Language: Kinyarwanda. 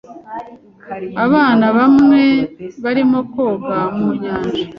Abana bamwe barimo koga mu nyanja.